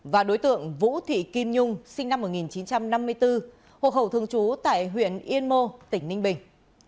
và đối tượng vũ thị kim nhung sinh năm một nghìn chín trăm năm mươi bốn hộ khẩu thường trú tại huyện yên mô tỉnh ninh bình